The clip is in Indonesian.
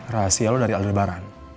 rahasia lo dari aldebaran